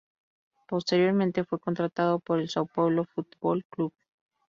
Posteriormente fue contratado por el São Paulo Futebol Clube.